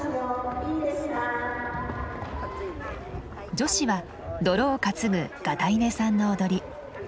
女子は泥を担ぐ潟いねさんの踊り。